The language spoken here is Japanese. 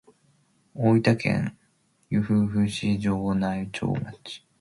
大分県由布市庄内町